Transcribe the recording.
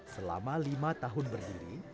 selama lima tahun berdiri